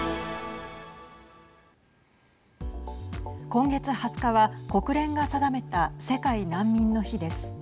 今月２０日は国連が定めた世界難民の日です。